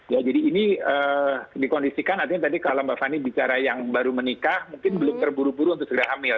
ya jadi ini dikondisikan artinya tadi kalau mbak fani bicara yang baru menikah mungkin belum terburu buru untuk segera hamil